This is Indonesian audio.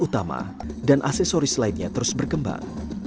kuntulan yang terinspirasi hadrah selalu berwarna putih berubah menjadi warna warni